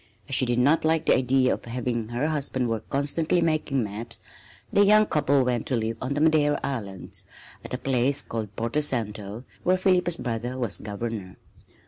As she did not like the idea of having her husband work constantly making maps, the young couple went to live on the Madeira Islands at a place called Porto Santo, where Philippa's brother was Governor.